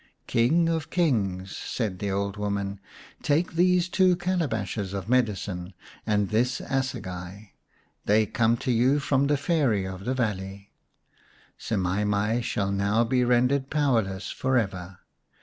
" King of Kings," said the old woman, " take these two calabashes of medicine and this assegai. They come to you from the Fairy of the valley ; Semai mai shall now be rendered powerless for ever.